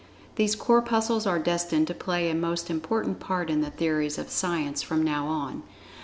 These Corpuscles are destined to play a most important part in the theories of Science from now on.